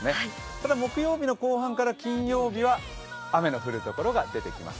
ただ木曜日の後半から金曜日は雨の降る所が出てきます。